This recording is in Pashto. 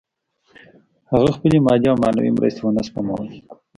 هغه خپلې مادي او معنوي مرستې ونه سپمولې